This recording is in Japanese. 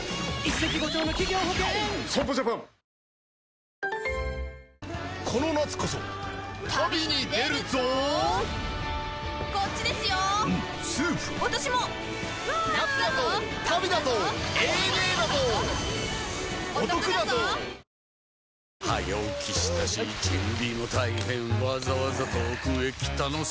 損保ジャパン早起きしたし準備も大変わざわざ遠くへ来たのさ